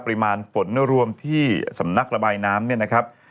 ปริมาณฝนรวมที่สำนักระบายน้ำเนี่ยนะครับ